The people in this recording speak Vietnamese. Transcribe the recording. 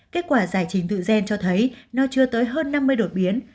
kết quả giải trình tự gen cho thấy nó chưa tới hơn năm mươi đột biến